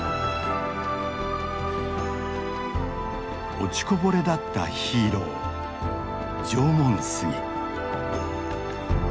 落ちこぼれだったヒーロー縄文杉。